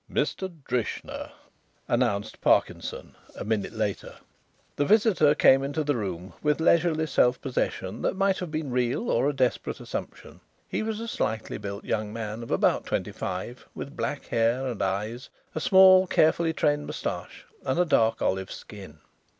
"Mr. Drishna," announced Parkinson a minute later. The visitor came into the room with leisurely self possession that might have been real or a desperate assumption. He was a slightly built young man of about twenty five, with black hair and eyes, a small, carefully trained moustache, and a dark olive skin.